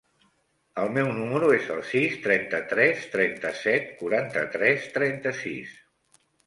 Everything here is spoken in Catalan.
El meu número es el sis, trenta-tres, trenta-set, quaranta-tres, trenta-sis.